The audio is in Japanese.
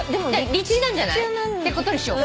「立地」なんじゃない？ってことにしようか。